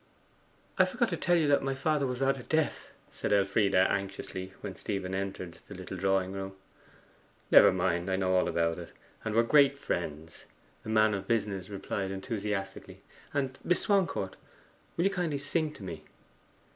'I forgot to tell you that my father was rather deaf,' said Elfride anxiously, when Stephen entered the little drawing room. 'Never mind; I know all about it, and we are great friends,' the man of business replied enthusiastically. 'And, Miss Swancourt, will you kindly sing to me?